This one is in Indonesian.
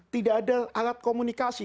tidak ada alat komunikasi